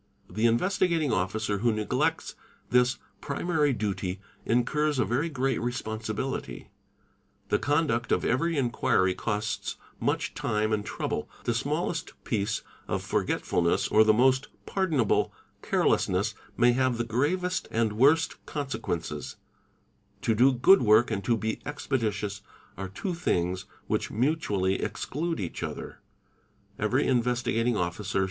The Investigating Officer who neglects this primary 'duty incurs a very great responsibility. The conduct of every inquiry osts much time and trouble; the smallest piece of forgetfulness or the Ye st pardonable carelessness may have the gravest and worst conse ences : to do good work and to be "expeditious", are two things ELST ELMTN SRE TS RRA A ME ARTIC EN BTS 48 THE INVESTIGATING OFFICER ©.